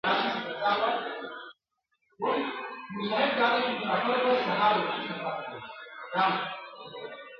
د پرواز فکر یې نه وو نور په سر کي ..